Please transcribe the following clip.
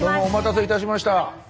お待たせいたしました。